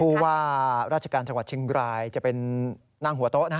ผู้ว่าราชการจังหวัดเชียงบรายจะเป็นนั่งหัวโต๊ะนะฮะ